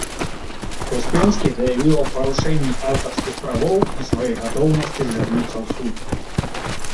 Успенскі заявіў аб парушэнні аўтарскіх правоў і сваёй гатоўнасці звярнуцца ў суд.